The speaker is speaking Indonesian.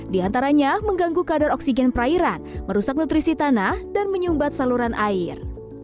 di antaranya mengganggu kadar oksigen perairan merusak nutrisi tanah dan menyumbat saluran air